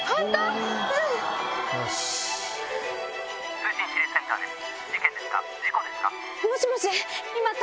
通信指令センターです。